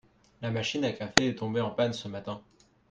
La machine à café est tombée en panne ce matin